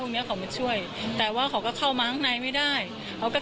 พูดสิทธิ์ข่าวธรรมดาทีวีรายงานสดจากโรงพยาบาลพระนครศรีอยุธยาครับ